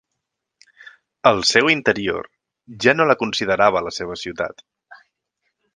Al seu interior, ja no la considerava la seva ciutat.